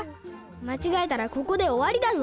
まちがえたらここでおわりだぞ。